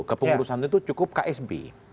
kepengurusan itu cukup ksb